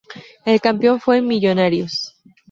El campeón fue Millonarios.